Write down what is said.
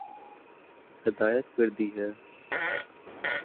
ہدایت کردی ہے